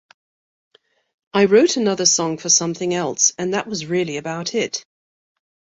I wrote another song for something else and that was really about it.